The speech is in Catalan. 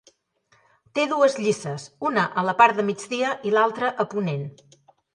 Té dues llices, una a la part de migdia i l'altra a ponent.